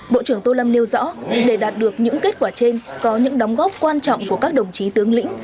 bộ trưởng tô lâm nêu rõ để đạt được những kết quả trên có những đóng góp quan trọng của các đồng chí tướng lĩnh